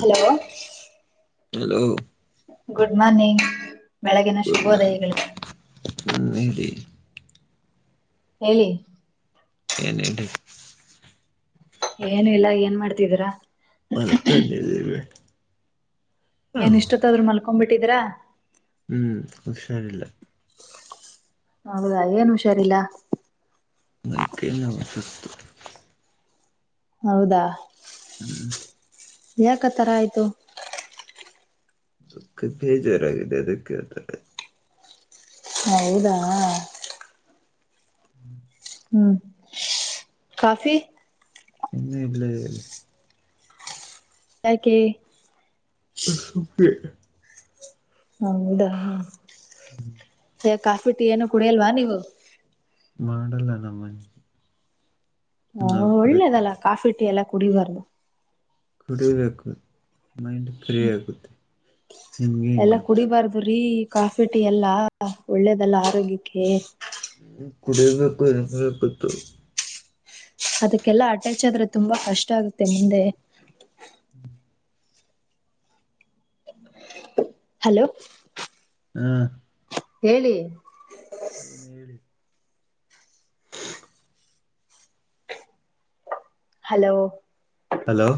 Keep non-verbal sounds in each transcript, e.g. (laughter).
Hello hello good morning ಬೆಳಗಿನ ಶುಭೋದಯಗಳು. ಅ ಹೇಳಿ ಏನ್ ಹೇಳಿ ಏನ ಇಲ್ಲ ಏನ್ ಮಾಡ್ತಿದೀರಾ ಹಲ್ಕಲ್ಲಿ ನೀನ್ ಇಷ್ಟತ್ ಆದ್ರರು ಮಲ್ಕೊಬಿಟ್ಟಿದಿರಾ ಹ್ಮ್ ಹುಷಾರಿಲ್ಲ ಹೌದಾ ಏನ್ ಹುಷಾರಿಲ್ಲ ಮೈಕೈ ನೋವು ಸುಸ್ತ್ ಹೌದಾ ಹ್ಮ್ ಯಾಕ ತರ ಆಯ್ತು ದುಃಖ ಭೇಜಾರಾಗಿದೆದಕ್ಕೆತ ಹೌದಾ ಹ್ಮ್ ಕಾಫಿ ಹ್ಮ ಇಲ್ಲ ಯಕೆ ಸಪ್ಪ ಹೌದಾ ಕಾಫಿ ಟೀ ಏನು ಕುಡಿಯಲ್ವಾ ನೀವು ಮಾಡಲ್ಲ ನಮ್ಮನೆ ಹ ನಾವು ಒಳ್ಳೇದಲ್ಲ ಕುಡಿತೀವಿ ಕಾಫಿಟೀ ಎಲ್ಲಾ ಕುಡಿಬಾರ್ದು ಕುಡಿಬೇಕು ಮೈಂಡ್ ಫ್ರೀ ಆಗುತ್ತೆ ನಿಮ್ಗೇನ್ ಎಲ್ಲಾ ಗೊತ್ತು ಕುಡಿಬಾರ್ದರೀ ಕಾಫಿ ಟೀ ಎಲ್ಲಾ ಒಳ್ಳೇದಲ್ಲ ಆರೋಗ್ಯಕ್ಕೆ ಹ್ಮ ಕುಡಿಯಬೇಕು ಎಬೇಕತ್ತು ಅದಕ್ಕೆಲ್ಲಾ ಅಟ್ಯಾಚ್ ಆದ್ರೆ ತುಂಬಾ ಕಷ್ಟ ಆಗುತ್ತೆ ಮುಂದೆ ಹ್ಮ್ ಹಲೋ ಹ್ಮ್ ಹೇಳಿ ಹೇಳಿ ಹಲೋ ಹಲೋ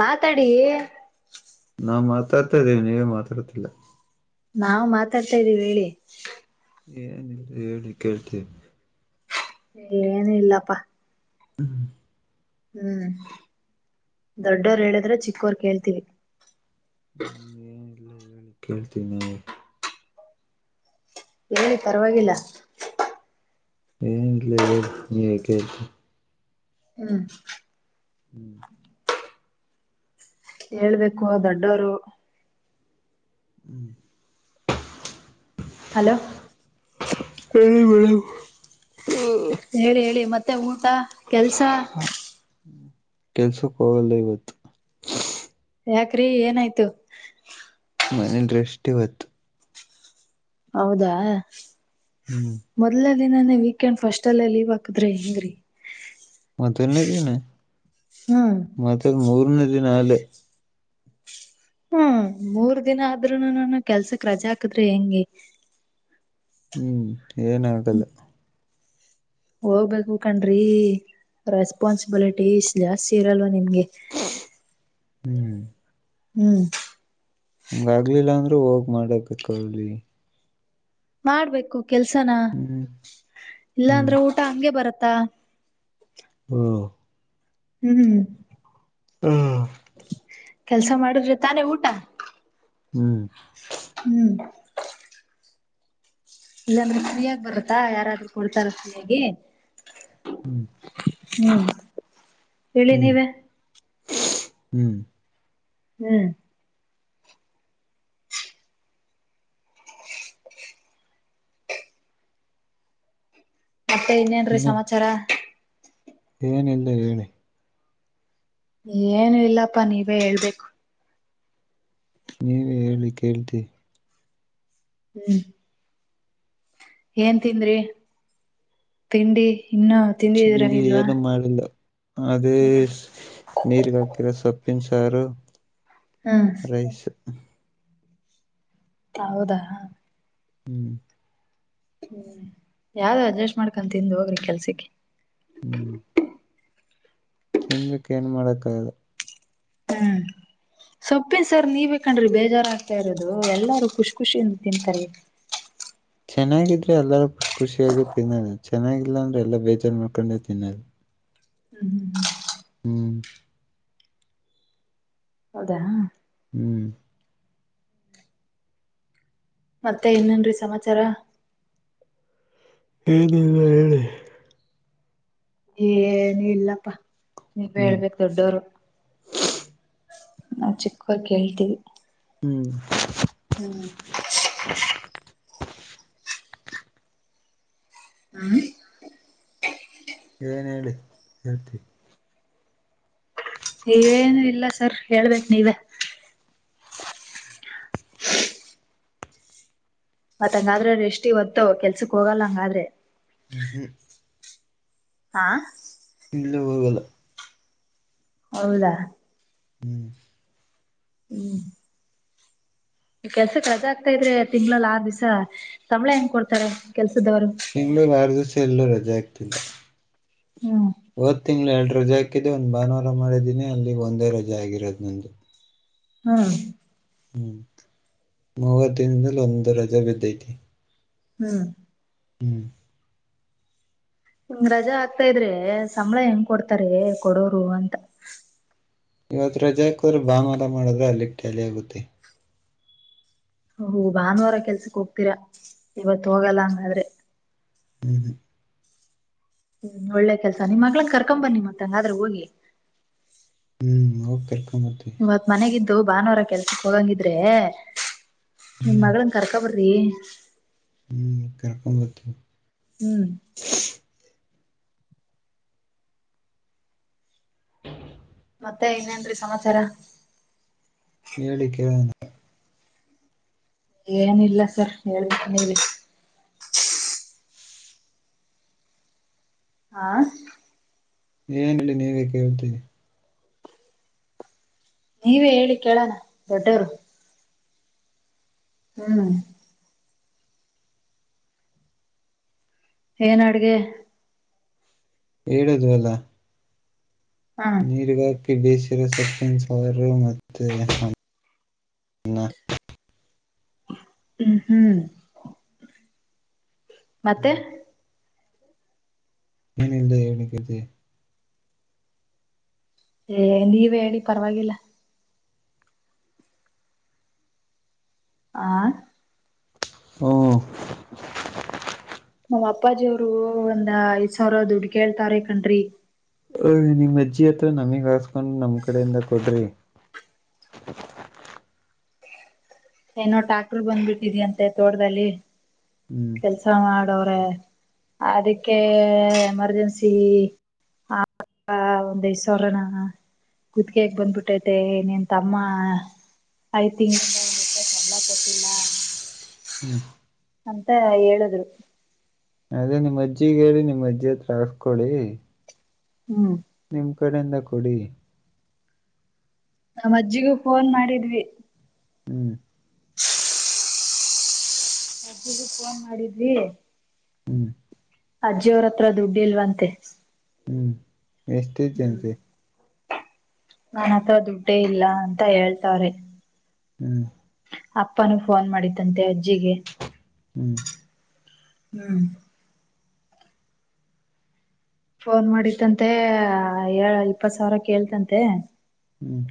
ಮಾತಾಡಿ ನಾನ್ ಮಾತಾಡ್ತಾ ಇದ್ದೇವಿ ನೀವೇ ಮಾತಾಡ್ತಿಲ್ಲ ನಾವವು ಮಾತಾಡ್ತಾ ಇದ್ದೀವಿ ಹೇಳಿ ಏನಲ್ ಹೇಳಿ ಕೇಳ್ತೀವಿ ಏನ ಇಲ್ಲಪ್ಪಾ ಹ್ಮ ಹ್ಮ್ ದೊಡ್ಡೋರು ಹೇಳಿದ್ರೆ ಚಿಕ್ಕೋರ್ ಕೇಳ್ತೀವಿ ಇಲ್ಲ ಹೇಳಿ ಕೇಳ್ತೀ ನಾವು ಹೇಳಿ ಪರವಾಗಿಲ್ಲ ಏನ್ಲ ನೀ ಕೆತ ಹ್ಮ ಹೇಳ್ಬೇಕು ದೊಡ್ಡವರು ಹ್ಮ್ ಹಲೋ ಹೇಳಳಿ ಬೆಳ ಹೇಳಿ ಹೇಳಿ ಮತ್ತೆ ಊಟ ಕೆಲ್ಸ ಕೆಲ್ಸಕ್ ಹೋಗಲ್ಲ ಇವತ್ತು ಯಾಕ್ರಿ ಏನಾಯ್ತು ಮನೇಲಿ ರೆಸ್ಟ್ ಇವತ್ತು ಹೌದಾ ಹ್ಮ್ ಮೊದ್ಲ ಅಲ್ಲಿ ನಾನ ವೀಕೆಂಡ್ ಫಸ್ಟ್ ಅಲ್ಲ ಲೀವ್ ಹಾಕದ್ರೆ ಹೆಂಗ್ರೀ ಮೊದಲನೇ ದಿನ ಮತ್ತ ಮೂರನೇ ದಿನ ಅಲ್ಲ ಹ್ಮ್ ಮೂರ್ ದಿನ ಆದ್ರೂನೂ ನಾನ ಕೆಲ್ಸಕ್ ರಜಾ ಹಕದ್ರೆ ಹೆಂಗಗೆ ಹ್ಮ್ ಏನಾಗಲ್ಲ ಹೋಗ್ಬೇಕು ಹ ಕಣ್ರಿ ರೆಸ್ಪಾನ್ಸಿಬಿಲಿಟಿ ಇ ಜಾಸ್ತಿ ಇರಲ್ವ ನಿಮ ಹಾಗಗೆ ಹ್ಮ್ ಹ್ಮ್ ನಮ್ಗ ಆಗ್ಲಿಲ್ಲ ಅಂದ್ರೂ ಹೋಗ್ ಮಾಡಬೇಕ ಅಲ್ಲಿ ಮಾಡ್ಬೇಕು ಕೆಲ್ಸನ ಹ್ಮ್ ಹ್ಮ್ ಇಲ್ಲಾಂದ್ರ ಊಟ ಹಗೆ ಬರತ್ತ ತ್ತ ಹ್ಮ ಹ್ಮ್ ಹ್ಮ ಕೆಲ್ಸ ಮಾಡುದ್ರೆ ತಾನೇ ಊಟ ಹ್ಮ್ ಹ್ಮ್ ಇಲ್ಲಾಂದ್ರೆ ಫ್ರೀಯಾಗಿ ಬರತ್ತಾ ಯಾರಾದ್ರೂ ಕೊಡ್ತಾರ ಫ್ರೀಯಾಗಿ ಹ್ಮ್ ಹ್ಮ್ ಹೇಳಿ ನೀವ ಹ್ಮ್ ಹ್ಮ್ ಮತ್ತೆ ಇನ್ನೇನ್ರೀ ಹ್ಮ್ ಸಮಾಚಾರ ಏನಿಲ್ಲ ರೀ ಏನು ಇಲ್ಲಪ್ಪಾ ನೀವೇ ಹೇಳ್ಬೇಕು ನೀವೇ ಹೇಳಿ ಕೇಳ್ತೀವಿ ಹ್ಮ್ ಏನ್ ತಿಂದ್ರಿ ತಿಂಡಿ ಇನ್ನುೂ ತಿಂದಿದಿದ್ರ ತಿಂಡಿ ಇಲ್ವಾ ಏನು ಮಾಡಿಲ್ಲ ಅದೇ ಹ್ಮ್ ನೀರು ಕಕ್ಕಿರ ಸೊಪ್ಪಿನ ಸಾರು ಹ್ಮ್ ರೈಸ್ ಹೌದಾ ಹ್ಮ್ ಹ್ಮ್ ಯಾವ್ದು ಅಡ್ಜಸ್ಟ್ ಮಾಡ್ಕು ತಿಂದು ಹೋಗ್ರಿ ಕೆಲ್ಸಕ್ಕೆ ಹ್ಮ್ ತಿನ್ಬೇಕ ಏನ್ ಮಾಡಕ್ ಆದು ಹ್ಮ್ ಸೊಪ್ಪನ್ ಸರ್ ನೀವ ಬೇಕಣ್ರಿ ಬೇಜಾರು ಆಗ್ತಾ ಇರೋದು ಎಲ್ಲಾರೂ ಖುಷ್ ಖುಷಿಯಿಂದ ತಿಂತಾರೆ (inaudible) ಚೆನ್ನಾಗಿದ್ರೆ ಎಲ್ಲರೂ ಖುಷಿ ಖುಷಿಯಾಗೇ ತಿನ್ನಲ್ಲ ಚೆನ್ನಾಗಿಲ್ಲ ಅಂದ್ರೆ ಎಲ್ಲಾ ಬೇಜಾರು ಮಾಡ್ಕೊಂಡೆ ತಿನ್ನಲ್ಲ ಹ್ಮ್ ಹ್ಮ್್ಮ (unintelligible) ಹ್ಮ ಹೌದಾ ಹ್ಮ್ ಮತ್ತೆ ಇನ್ನೇನ್ರಿ ಸಮಾಚಾರ ಹೇಳಿಲ್ಲ ಹೇಳಿ ಏನು ಇಲ್ಲಪ್ಪಾ ನೀವ ಹ್ಮ್ ಹೇಳ್ಬೇಕ ದೊಡ್ಡೋರು ನಾ ಚಿಕ್ಕವರ್ ಕೇಳ್ತೀವಿ ಹ್ಮ್ ಹ್ಮ್ ಹ್ಮ ಏನ್ ಹೇಳಿ ಹೇಳ್ತಿ ನೀವೇನು ಇಲ್ಲ ಸರ್ ಹೇಳ್ಬೇಕು ನೀವ (inaudible) ಮತ್ ಹಂಗಾದ್ರೆ ಅ್ರ ಎಷ್ಟ್ ಇವತ್ತು ಕೆಲ್ಸಕ್ ಹೋಗಲ್ಲ ಹಂಗಾದ್ರೆ ಹ್ ಹಾ ಇಲ್ಲು ಹೋಗಲ್ ಹೌದಾ ಹ್ಮ್ ಹ್ಮ್ ಕೆಲ್ಸಕ್ಕೆ ರಜೆ ಆಗ್ತಾ ಇದ್ರೆ ತಿಂಗ್ಗಳಲ್ ಆ ದಿವ್ಸ ಸಂಬಳೆ ಹೆಂಗ್ ಕೊಡ್ತಾರೆ ಕೆಲ್ಸ ತಿಂಗಳಿಗೆ ಆರು ದಿವಸ ರಜೆ ಆಗ್ತಿಲ್ಲ ಹ್ಮ್ ಹದ ತಿಂಗಳು ಎರಡ ರಜೆ ಹಾಕಿದೆ ಒಂದ್ ಭಾನುವಾರ ಮಾಡಿದ್ದೀನಿ ಅಲ್ಲಿ ಒಂದೇ ರಜೆ ಆಗಿರೋದ್ ನಂದು ಹ್ಮ್ ಹ್ಮ್ ಮೂವತ್ತಿನದಲ್ಲಿ ಒಂದು ರಜೆ ಬಿದ್ದೈತಿ ಹ್ಮ್ ಹ್ಮ್ ಹಂಗ್ ರಜಾ ಆಗ್ತಾ ಇದ್ರೆ ಸಂಬಳ ಹೆಂಗ ಕೊಡ್ತಾರೆ ಕೊಡೋರು ಅಂತ ಇವತ್ತು ರಜೆ ಹಾಕೋದ್ರೆ ಬಾನುವಾರ ಮಾಡಿದ್ರೆ ಅಲ್ಲಿಗೆ ಟ್ಯಾಲಿ ಆಗುತ್ತೆ ಹ ಭಾನುವಾರ ಕೆಲ್ಸಕ್ ಹೋಗ್ತೀರಾ ಇವತ್ ಹೋಗಲ್ಲ ಅಂದಾದ್ರೆ ಹ್ಮದು ಹ ಒಳ್ಳೆ ಕೆಲ್ಸ ನಿಮ್ಮ್ ಮಗ್ಳನ್ ಕರ್ಕೊಂಡ್ ಬನ್ನಿ ಮತ್ತಂಗಾದ್ರೆ ಹೋಗಿ ಹ್ಮ್ ಹೊಗತಕ್ ಇವತ್ ಮನೆಗಿದ್ದು ಭಾನುವಾರ ಕೆಲ್ಸಕ್ ಹೋಗಂಗಿದ್ರೆ ನಿಮ್ ಹ್ಮ್ ಮಗಳಂಗ ಕರ್ಕೊಬರಿ ಹ್ಮ್ ಕರಕೊಂಬತ ಹ್ಮ್ ಮತ್ತೆ ಇನೇನ್ರಿ ಸಮಾಚಾರ ಹೇಳಿ ಕೇಳಣ ಏನಿಲ್ಲ ಸರ್ ಹೇಳ್ಬೇಕ ಹೇಳಿ ಆಾ ಏನ್ಲ್ಲಿ ನೀವೇ ಕೇಳ್ತೀರಿ ನೀವೇ ಹೇಳಿ ಕೇಳಣ ದೊಡ್ಡವರು ಹ್ಮ್ ಏನ್ ಅಡ್ಗೆ ಹೇಳುದು ಅಲ್ಲ ಹಾ ನೀರುಗ ತಿಳಿ ಸೀರೆ ಸೊಪ್ಪಿನ ಸಾರು ಮತ್ತೇ ಅನ್ನ ಹ್ಮ್ ಹ್ಮ್ ಮತ್ತೆ ಏನಿಲ್ಲದೆ ಹೇಳನಕ್ಕೆತೆ ಹ ನೀವೇ ಹೇಳಿ ಪರವಾಗಿಲ್ಲ ಆ ಹ ನಮ್ಮ್ ಅಪ್ಪಾಜಿಯವರು ಒಂದ್ ಐದ್ ಸಾವಿರ ಹುಡ್ಕೇಳ್ತಾರೆ ಕಣ್ರಿ ನಿಮ್ ಅಜ್ಜಿ ಅತ್ರ ನಮಿಗ್ ಹಾಸ್ಕೊಂಡ್ ನಮ್ ಕಡೆಯಿಂದ ಕೊಡ್ರಿ (inaudible) ಏನೋ ಟ್ಯಾಕ್ಟರ್ ಬಂದ್ಬಿಟ್ಟಿದಿ ಅಂತೆ ತೋಟದಲ್ಲಿ ಹ್ಮ್ ಕೆಲ್ಸ ಮಾಡೋ್ರೆ ಅದಕ್ಕೆ ಎಮರ್ಜೆನ್ಸಿ ಹಾ ಒಂದ ಐದು ಸಾವಿರ ನಾನ ಕುತ್ತಿಗೆ ಹಿಡಿದುಕೊಂಡು ಬಿಟ್ಟಿದೆ ನಿನ್ ತಮ್ಮ ಐ ತಿಕ್ (unintelligible) ಹ್ಮ್ ಅಂತ ಹೇಳುದ್ರು ಅದೇ ನಿಮ್ಮ್ ಅಜ್ಜಿಗ ಹೇಳಿ ನಿಮ್ಮ್ ಅಜ್ಜಿ ಹತ್ರ ಹಸ್ಕೊೊಳ್ಳಿ ಹ್ಮ್ ನಿಮ್ ಕಡೆಯಿಂದ ಕೊಡಿ ನಾ್ ಅಜ್ಜಿಗೂ ಫೋನ್ ಮಾಡಿದ್ವಿ ಹ್ಮ್ (inaudible) ಒ ಫೋನ್ ಮಾಡಿದ್ವಿ ಹ್ಮ್ ಅಜ್ಜಿಯ ಅವ್ರತ್ರ ದುಡ್ಡಿ ಇಲ್ವಂತೆ ಹ್ಮ್ ಎಷ್ಟೇ ಜನ್ಸರಿ ನನ್ಥ ದುಡ್ಡೇ ಇಲ್ಲ ಅಂತ ಹೇಳ್ತವಾರೆ ಹ್ಮ್ ಅಪ್ಪಾನೂ ಫೋನ್ ಮಾಡಿದ್ದಂತೆ ಅಜ್ಜಿಗೆ ಹ್ಮ್ ಹ್ಮ್ ಫೋನ್ ಮಾಡತ್ತಂತೆ ಏ ಹಿಪಥು ಸಾವಿರ ಕೇಳ್ತಂತೆ ಹ್ಮ್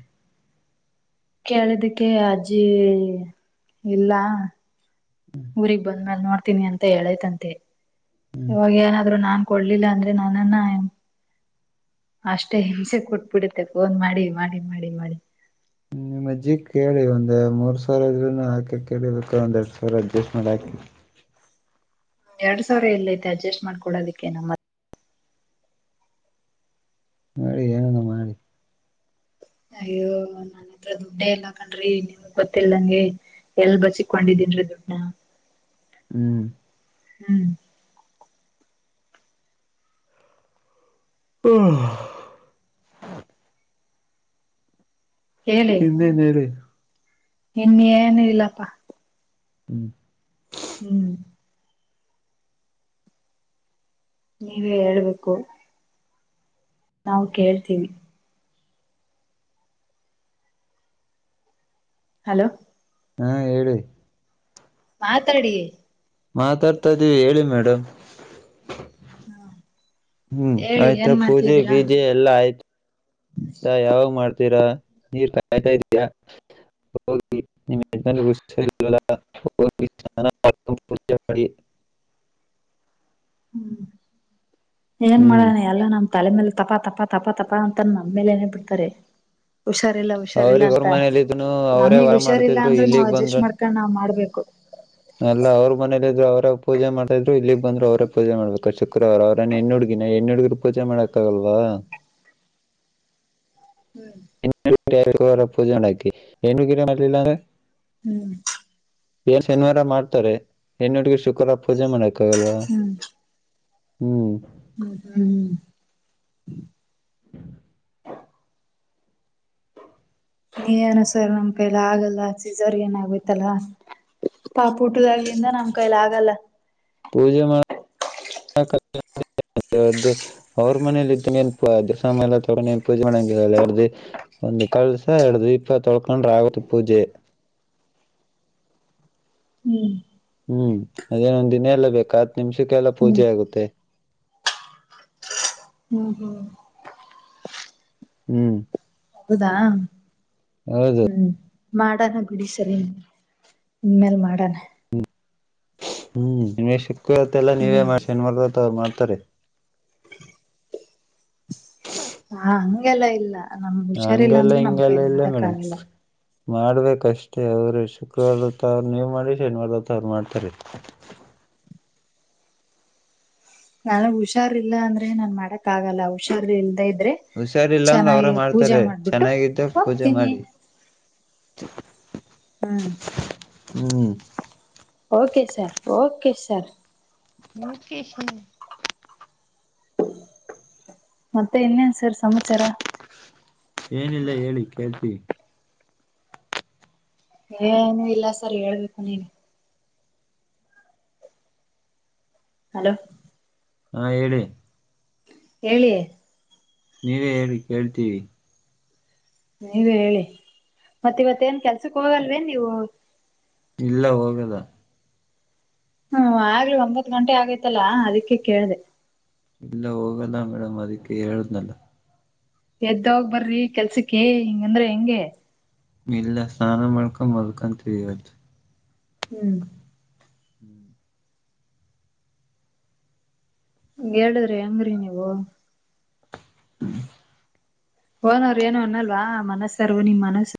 ಕೇಳಿದಕ್ಕೆ ಅಜ್ಜಿ ಇಲ್ಲ ಹೇಳ್ತೀನಿ ಅಂತ ಹೇಳೇತಂತೆ ಹ್ಮ್ ಇವಾಗ ಏನಾದ್ ನಾನ್ ಕೊಡ್ಲಿಲ್ಲ ಅಂದ್ರೆ ನಾನನ್ನ ಅಷ್ಟೇ ಹಿಂಸೆ ಕೊಟ್ಬಿಡುತ್ತೆ ಫೋನ್ ಮಾಡಿ ಮಾಡಿ ಮಾಡಿ ಮಾಡಿ ನಿಮ್ಮ ಅಜ್ಜಿ ಕೇಳಿ ಒಂದ್ ಮೂರ್ ಸಾವರ ಆದ್ರುನು ಹಾಕಿ ಕೇಳಿಬೇಕ ಒಂದ್ ಎರಡ್ ಸಾವಿರ ಅಡ್ಜಸ್ಟ್ ಮಾಡ್ ಹಾಕಿ (inaudible) ಎರಡ್ ಸಾವಿರ ಎ ಇಲ್ಲ ಐತೆ ಅಡ್ಜಸ್ಟ್ ಮಾಡ್ಕ ಕೊಡೋದಕ್ಕೆ ನಮ್ಮ ನಿ ಏನ ಮಾಡಿ ಅಯ್ಯೋ ನನ್ ಹತ್ರ ದುಡ್ಡ ಎಲ್ಲ ಹಾ ಕಂಡ್ರಿ ನಿಮ್ಗ್ ಗೊತ್ತಿಲ್ಲ ನಂಗೆ ಎಲ್ ಬಸಿಕೊಂಡಿದ್ದ (inaudible) ಹ್ಮ್ ಹ್ಮ್ ಹ್ಮ ಇನ್ನೇನ್ ಹೇಳ ನಿನ್ ಏನು ಇಲ್ಲಪ್ಪಾ ಹ್ಮ್ ಹ್ಮ್ ನೀವೇ ಹೇಳ್ಬೇಕು ನಾವು ಕೇಳ್ತೀವಿ ಹಲೋ ಹಾಂ ಏಳು ಮಾತಾಡಿ ಮಾತಾಡ್ತಾ ಇದ್ದೀವಿ ಹೇಳಿ ಮೇಡಮ್ ಹ್ಮ ಹ್ಮ್ ಆಯ್ತಾ ಪೂಜೆ ಪೀಜೆ ಎಲ್ಲ ಆಯ್ತು ಆತ ಯಾವಾಗ್ ಮಾಡ್ತೀರಾ ನೀರ್ ಕಾಯ್ತಾ ಇದ್ದಯಾ ಹೋಗಿ ಪೂಜೆ ಮಾಡಿ (inaudible) ಹ್ಮ್ ಏನ್ ಹ್ಮ್ ಮಾಡಣ ಎಲ್ಲ ನಮ್ ತಲೆ ಮೇಲ್ ತಪಾ ತಪಾ ತಪಾ ತಪಾ ಅಂತನ್ ನ್ಮೇಲೆ ಏನೇ ಬಿಡ್ತಾರೆ ಹುಷಾರಿಲ್ಲ ಹುಷಾರಿಲ್ಲಾ ಅವ್ರಿಗ್ ಅಂತ ಅವ್ರ ಮನೇಲಿ ಇದ್ನು ಅವರೇ ನಮಗ್ ವರ ಹುಷಾರಿಲ್ಲಾ ಮಾಡ್ತಿದ್ರು ಅಂದ್ರೆ ನಾವ್ ಇಲ್ಲಿಗ್ ಅಡ್ಜಸ್ಟ್ ಬಂದ್ರು ಮಾಡ್ಕೊಂಡ್ ನಾವ್ ಮಾಡ್ಬೇಕು ಎಲ್ಲ ಅವ್ರ ಮನೇಲಿ ಇದ್ರು ಅವ್ರ ಪೂಜೆ ಮಾಡ್ತ ಇದ್ರು ಇಲ್ಲಿಗ್ ಬಂದ್ರು ಅವ್ರೇ ಪೂಜ ಮಾಡ್ಬೇಕ ಶುಕ್ರವಾರ ಅವ್ರೇನ್ ಹೆಣ್ಣ ಹುಡುಗಿನ ಹೆಣ್ಣ ಹುಡ್ಗೀರು ಪೂಜೆ ಮಾಡಕ್ಕ ಆಗಲ್ವ ಹ ಹ್ಮ್ ಅವರ ಪೂಜೆ ಉ ನಾಕಿ ಏ ಕೀರ ಮಲ್ಲ ಹ್ಮ್ ಏನ ಶನಿವಾರ ಮಾಡ್ತಾರೆ ಹೆಣ್ಣ ಹುಡ್ಗೀ ಶುಕ್ರವಾರ ಪೂಜೆ ಮಾಡಕ್ ಆಗಲ್ವಾ ಹ್ಮ್ ಹ್ಮ ಹ್ಮ (inaudible) ಏನು ಸರ್ ನಮ್ಮಕಯ್ಯಲ್ಲಿ ಆಗಲ್ಲ ಸಿಝರಿಯನ್ ಆಗೋಯತಲ್ಲ ಪಾಪು ಹುಟದಾಗಲಿಂದ ನಮ್ ಕೈಲಿ ಆಗಲ್ಲ (inaudible) ಪೂಜೆ ಮಾಡ (unintelligible) ರ್ದು ಅವ್ರ ಮನೇಲಿ ಇದ್ದಂಗ ಏನ್ ಅದಸ ಎಲ್ಲ ತೊಗೊಂಡನ್ ಪೂಜೆ ಮಾಡಂಗಿಲ್ಲಲ್ಲ ಎರ್ದಿ (unintelligible) ಒಂದು (unintelligible) ಹ್ಮ್ (inaudible) ಹ್ಮ್ ಅದೇನೊಂದ್ ದಿನ ಎಲ್ಲ ಬೇಕಾ ಹತ್ ನಿಮಿಷಕ್ಕೆಲ್ಲಾ ಹ್ಮ್ ಪೂಜೆ ಆಗುತ್ತೆ (unintelligible) ಹ್ಮ್ ಹ್ಮ್ ಹ್ಮ್ ಹೌದಾ ಹೌದು ಹ್ಮ್ ಮಾಡಣ ಬಿಡಿ ಸಾರ್ ಇನ್ಮೇಲೆ ಮಾಡಣ ಹ್ಮ್ ಹ್ಮ್ ದಿನೇಶ್ (inaudible) ಲ್ಲ ನೀವೇ ಹ್ಮ್ ಶನಿವಾರ ಮಾಡ್ತಾರೆ (inaudible) ಹಂಗೆಲ್ಲಾ ಇಲ್ಲ ನಮ್ ಕೈಲಿ ಹುಷಾರಿಲ್ಲ ಹಂಗೆಲ್ಲ ಅಂದ್ರೆ ಮಾಡಕ್ಕಾಗಲ್ಲ ಮಾಡಬೇಕಷ್ಟೇ ಅವ್ರ್ ಶುಕ್ರವಾರ ಮತ್ತು ಅವರ ಮಾಡುತ್ತಾರೆ ಶನಿವಾರ ನೀವು ಮಾಡಿ ನನ್ಗ್ ಹುಷಾರ್ ಇಿಲ್ಲ ಅಂದ್ರೆ ನನ್ ಮಾಡಕ್ ಆಗಲ್ಲ ಹುಷಾರ್ ಇಲ್ದ ಇದ (inaudible) ಹುಷಾರಿಲ್ಲಂದ್ರ ಅವ್ರ ಮಾಡ್ತಾರೆ ಮಾಡ್ಬಿಟ್ಟು ಚೆನ್ನಾಗಿದ್ದ ಪೂಜೆ ಹೋಗ್ತೀನಿ. ಮಾಡಿ (inaudible) ಹ್ಮ ಹ್ಮ್ okay sir okay sir Mukesh (unintelligible) ಮತ್ತೆ ಇನ್ ಎನ್ (inaudible) ಏನಿಲ್ಲ ಹೇಳಿ ಕೇಳ್ತೀವಿ ಏನೂ ಇಲ್ಲ ಸರ್ ಹೇಳ್ಬೇಕು ನೀನು ಹಲೋ ಹಾ ಹೇಳಿ ಹೇಳಿ ನೀವೆ ಹೇಳಿ ಕೇಳ್ತೀವೀ ನೀವೆ ಹೇಳಿ ಮತ್ತ ಇವತ್ತೇಏನ್ ಕೆಲ್ಸಕ್ ಹೋಗಲ್ವೇನ್ ನೀವು ಇಲ್ಲ ಹೋಗಲ್ಲ ಹ್ಮ ಆಗ್ಲಿ ಒಂಬತ್ ಗಂಟೆ ಆಗೈತಲ್ಲಾ ಅದಕ್ಕೆ ಕೇಳ್ದೇ ಇಲ್ಲ ಹೋಗಲ್ಲಾ ಮೇಡಮ್ ಅದಕ್ಕೆ ಹೇಳಿದ್ನಲ್ಲ ಎದ್ದೋಗ್ ಬರ್ರಿ ಕೆಲ್ಸಕ್ಕೆ ಹಿಂಗಂಡ್ರೆ ಹೆಂಗೆ ಇಲ್ಲ ಸ್ನಾನ ಮಾಡ್ಕೊಂಡ್ ಮಲ್ಕೋಟಿವೊ ಇವತ್ತು ಹ್ಮ್ ಹೇಳಿದ್ರಿ ಹಂಗ್ರಿ ನೀವು ಹ್ಮ (unintelligible) ಓನರ್ ಏನೋ ಒನ್ನಲ್ವಾ ಮನಸ್ಸರ್ವ ನಿಮ್ ಮನಸ್ಸ